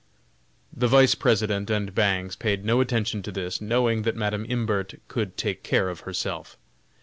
The Vice President and Bangs paid no attention to this, knowing that Madam Imbert could take care of herself.